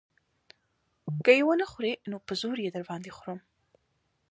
که يې ونه خورې نو په زور يې در باندې خورم.